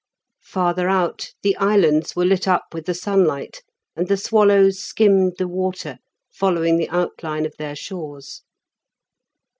Farther out the islands were lit up with the sunlight, and the swallows skimmed the water, following the outline of their shores.